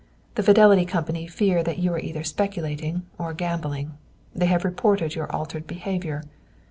The Fidelity Company fear that you are either speculating or gambling. They have reported your altered behavior.